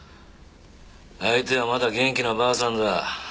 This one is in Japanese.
相手はまだ元気なばあさんだ。